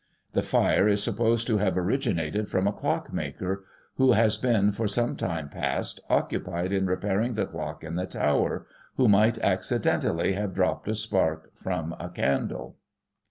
" The fire is supposed to have originated from a clock maker, who has been, for some time past, occupied in re pairing the clock in that tower, who might accidentally, have dropped a spark from a candle."